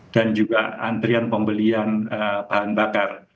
dan juga antrian pembelian bahan bakar